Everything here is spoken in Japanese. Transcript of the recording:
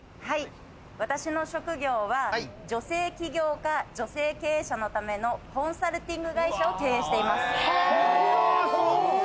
私の職業は、女性起業家、女性経営者のためのコンサルティング会社を経営しています。